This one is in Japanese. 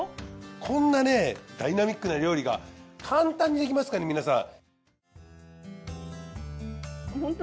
こんなダイナミックな料理が簡単にできますからね皆さん。